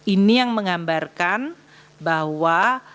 ini yang menggambarkan bahwa